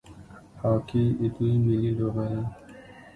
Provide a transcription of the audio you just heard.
هاکي د دوی ملي لوبه ده.